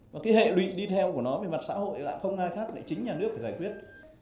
và cái hệ lụy đi theo của nó về mặt xã hội lại không ai khác lại chính nhà nước phải giải quyết